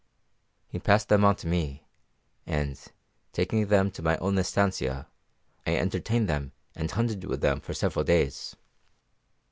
He passed them on to me, and, taking them to my own estancia, I entertained them and hunted with them for several days.